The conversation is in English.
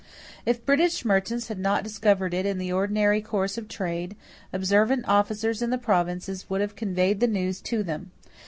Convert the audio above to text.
If British merchants had not discovered it in the ordinary course of trade, observant officers in the provinces would have conveyed the news to them.